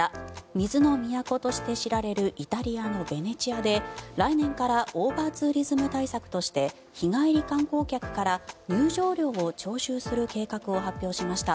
水の都として知られるイタリアのベネチアで来年からオーバーツーリズム対策として日帰り観光客から入場料を徴収する計画を発表しました。